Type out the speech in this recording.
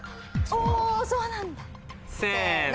おそうなんだ！せの！